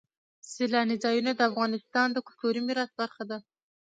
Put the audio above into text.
سیلاني ځایونه د افغانستان د کلتوري میراث برخه ده.